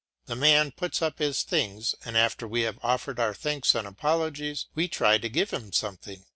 The man puts up his things, and after we have offered our thanks and apologies, we try to give him something.